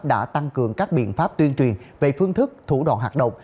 công an tp hcm đã tăng cường các biện pháp tuyên truyền về phương thức thủ đoạn hạt động